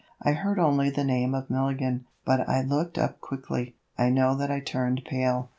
I heard only the name of Milligan, but I looked up quickly. I know that I turned pale.